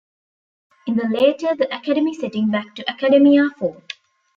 In the later the Academy setting back to "Academia Form".